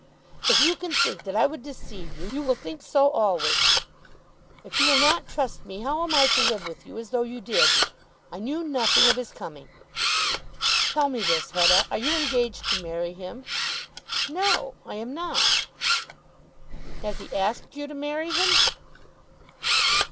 "If you can think that I would deceive you, you will think so always. If you will not trust me, how am I to live with you as though you did? I knew nothing of his coming." "Tell me this, Hetta; are you engaged to marry him?" "No; I am not." "Has he asked you to marry him?"